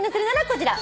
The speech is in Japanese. こちら。